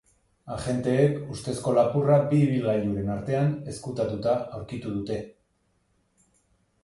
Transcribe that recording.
Agenteek ustezko lapurra bi ibilgailuren artean ezkutatuta aurkitu dute.